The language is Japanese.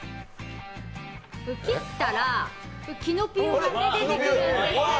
切ったらキノピオが出てくるんです。